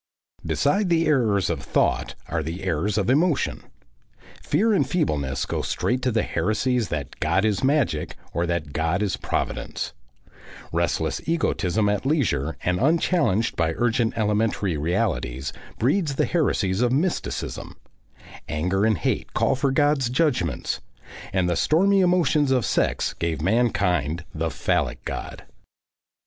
Beside the errors of thought are the errors of emotion. Fear and feebleness go straight to the Heresies that God is Magic or that God is Providence; restless egotism at leisure and unchallenged by urgent elementary realities breeds the Heresies of Mysticism, anger and hate call for God's Judgments, and the stormy emotions of sex gave mankind the Phallic God.